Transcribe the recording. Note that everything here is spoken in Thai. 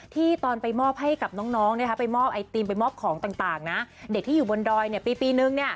ตอนไปมอบให้กับน้องไปมอบไอติมไปมอบของต่างนะเด็กที่อยู่บนดอยปีนึง